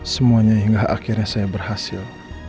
semuanya hingga akhirnya saya berhasil